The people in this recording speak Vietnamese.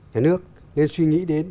nhà nước nên suy nghĩ đến